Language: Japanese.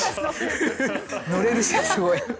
「乗れるしすごい」。